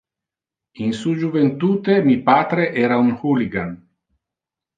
In su juventute mi patre era un hooligan.